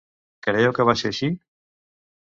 Creieu que va ser així?